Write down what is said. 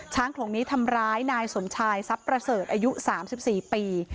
โลงนี้ทำร้ายนายสมชายทรัพย์ประเสริฐอายุ๓๔ปี